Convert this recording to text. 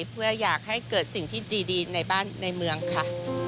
เพื่ออยากให้เกิดสิ่งที่ดีในเมืองค่ะ